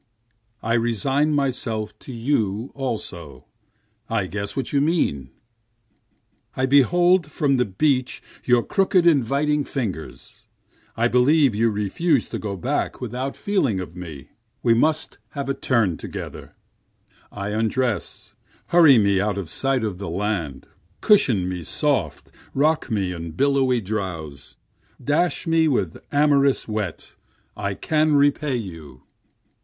I resign myself to you also I guess what you mean, I behold from the beach your crooked fingers, I believe you refuse to go back without feeling of me, We must have a turn together, I undress, hurry me out of sight of the land, Cushion me soft, rock me in billowy drowse, Dash me with amorous wet, I can repay you.